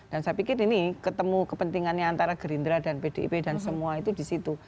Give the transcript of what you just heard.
dan saya pikir ini ketemu kepentingannya antara gerindra dan pdip dan semua itu di situ